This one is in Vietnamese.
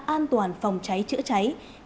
an toàn phòng cháy chữa cháy